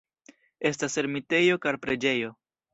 Estas ermitejo kaj preĝejo.